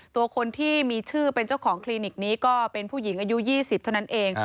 ตัวคนที่มีชื่อเป็นเจ้าของคลินิกนี้ก็เป็นผู้หญิงอายุ๒๐เท่านั้นเอง